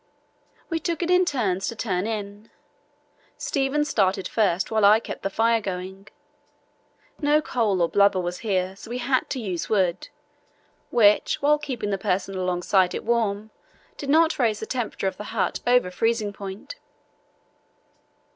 We took it in turns to turn in. Stevens started first, while I kept the fire going. No coal or blubber was here, so we had to use wood, which, while keeping the person alongside it warm, did not raise the temperature of the hut over freezing point.